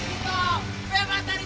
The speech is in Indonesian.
jangan lupa hei